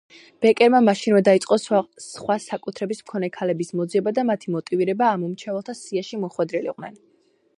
ბეკერმა მაშინვე დაიწყო სხვა საკუთრების მქონე ქალების მოძიება და მათი მოტივირება ამომრჩეველთა სიაში მოხვედრილიყვნენ.